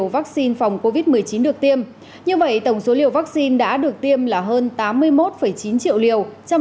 với tinh thần gần dân phục vụ